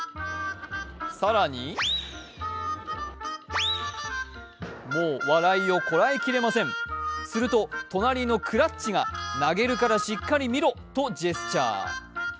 更に笑いをこらえきれません、するとマスコットのクラッチが投げるからちゃんと見ろとジェスチャー。